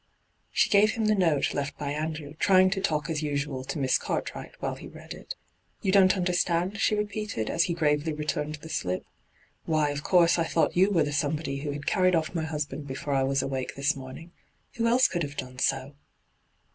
She gave him the note left by Andrew, trying to talk as usual to Miss Cartwright while he read it. ' You don't understand V she repeated, as he gravely returned the slip. ' Why, of course I thought you were the somebody who had carried off my husband before I was awake this morning Who else could have done so?'